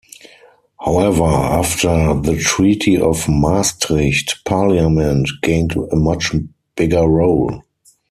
However, after the Treaty of Maastricht, Parliament gained a much bigger role.